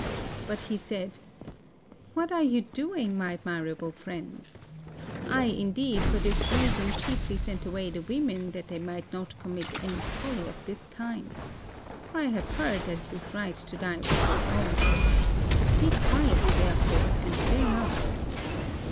But he said, "What are you doing, my admirable friends? I, indeed, for this reason chiefly sent away the women that they might not commit any folly of this kind. For I have heard that it is right to die with good omens. Be quiet, therefore, and bear up."